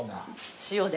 塩で。